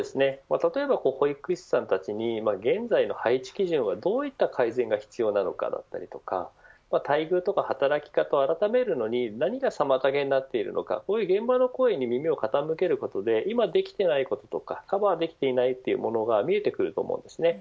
例えば保育士さんたちに現在の配置基準はどういった改善が必要なのかだったりとか待遇とか働き方を改めるのに何が妨げになっているのかこういう現場の声に耳を傾けることで今できていないこととかカバーできていないというものが見えてくると思うんです。